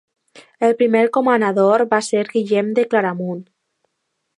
El primer comanador va ser Guillem de Claramunt.